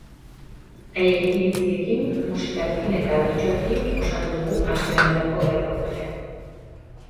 Haien iritziekin, musikarekin eta bertsoekin osatu dugu aste honetako erreportajea.